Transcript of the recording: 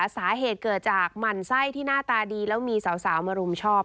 สาเหตุเกิดจากหมั่นไส้ที่หน้าตาดีแล้วมีสาวมารุมชอบ